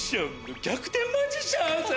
逆転マジシャン？